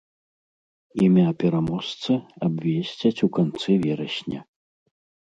Імя пераможцы абвесцяць у канцы верасня.